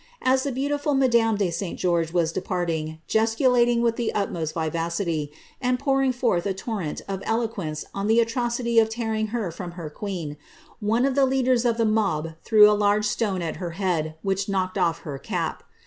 As the beautiful madame de St. George was departing, ges ticulating with the utmost vivacity, and pouring forth a torrent of elo quence on the atrocity of tearing her from her queen, one of the leaden of the mob threw a large stone at her head, which knocked off her cap.